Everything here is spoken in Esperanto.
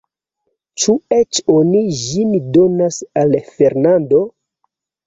Ĉu eĉ oni ĝin donos al Fernando?